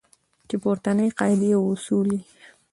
چې پورتنۍ قاعدې او اصول یې